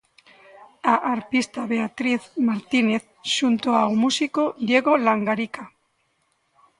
A arpista Beatriz Martínez xunto ao músico Diego Langarica.